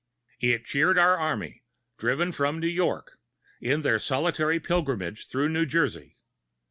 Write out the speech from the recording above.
It cheered our army, driven from New York, in their solitary pilgrimage through New Jersey.